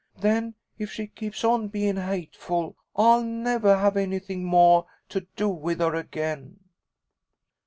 Then if she keeps on bein' hateful, I'll nevah have anything moah to do with her again."